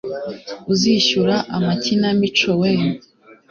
uzishyura amakinamico wee